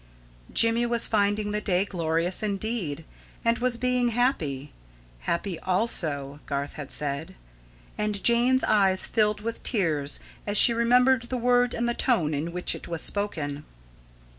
Jimmy was finding the day glorious indeed, and was being happy. "Happy ALSO," Garth had said. And Jane's eyes filled with tears, as she remembered the word and the tone in which it was spoken.